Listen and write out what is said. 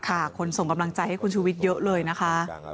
คนส่งกำลังใจให้คุณชุวิตเยอะเลยนะคะ